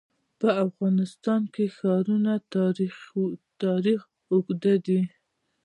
په افغانستان کې د ښارونه تاریخ اوږد دی.